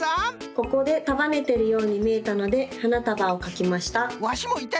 ここでたばねてるようにみえたのではなたばをかきました。